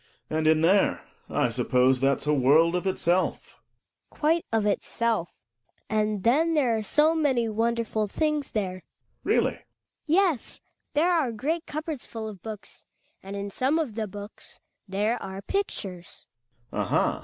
And in there — I suppose that's a world ot itself. Hedvig. Quite of itself. And then there are so many wonderful things there. Gregers. Really? Hedvig. Yes, there are great cupboards full of books, and in some of the books there are pictures. Gregers.